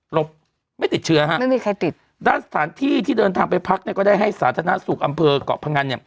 หลบไม่ติดเชื้อด้านสถานที่ที่เดินทางไปพักก็ได้ให้สาธารณสูตรอำเภอกเกาะพังอัน